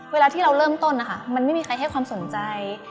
เวลาที่เราเริ่มต้นนะคะมันไม่มีใครให้ความสนใจ